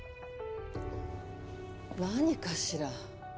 何かしら？